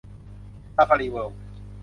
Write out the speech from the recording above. ซาฟารีเวิลด์